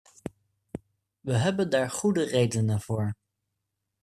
We hebben daar goede redenen voor.